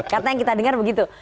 karena yang kita dengar begitu